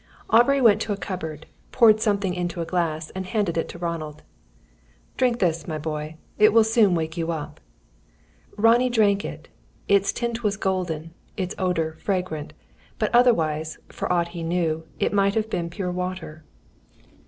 Aubrey went to a cupboard, poured something into a glass, and handed it to Ronald. "Drink this, my boy. It will soon wake you up." Ronnie drank it. Its tint was golden, its odour, fragrant; but otherwise, for aught he knew, it might have been pure water.